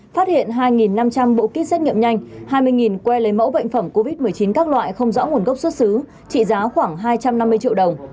phát hiện hai năm trăm linh bộ kit xét nghiệm nhanh hai mươi que lấy mẫu bệnh phẩm covid một mươi chín các loại không rõ nguồn gốc xuất xứ trị giá khoảng hai trăm năm mươi triệu đồng